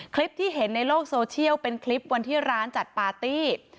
คลิปที่เห็นในโลกโซเชียลเป็นคลิปวันที่ร้านจัดปาร์ตี้